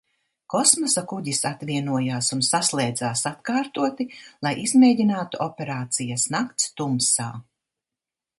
Kosmosa kuģis atvienojās un saslēdzās atkārtoti, lai izmēģinātu operācijas nakts tumsā.